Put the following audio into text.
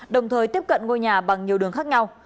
đồng thời tiếp cận ngôi nhà bằng nhiều đường khác nhau